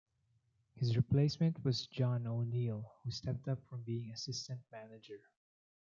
His replacement was John O'Neill, who stepped up from being assistant manager.